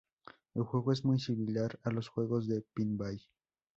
El juego es muy similar a los juegos de Pinball.